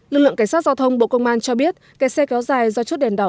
lực lượng cảnh sát giao thông bộ công an cho biết kẻ xe kéo dài do chốt đèn đỏ